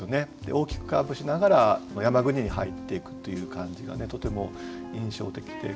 大きくカーブしながら山国に入っていくという感じがとても印象的で。